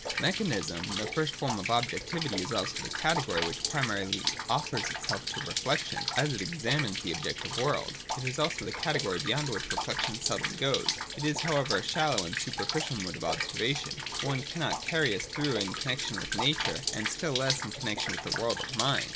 Mechanism, the first form of objectivity, is also the category which primarily offers itself to reflection, as it examines the objective world. It is also the category beyond which re flection seldom goes. It is, however, a shallow and super ficial mode of observation, one that cannot carry us through in connexion with Nature and still less in connexion with the world of Mind.